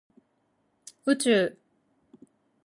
宇宙